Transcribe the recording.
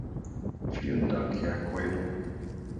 Vielen Dank, Herr Coelho.